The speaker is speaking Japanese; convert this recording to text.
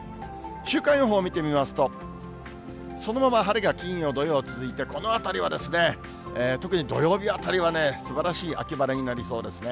週間予報見てみますと、そのまま晴れ間が金曜、土曜続いて、このあたりは、特に土曜日あたりはすばらしい秋晴れになりそうですね。